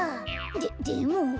ででも。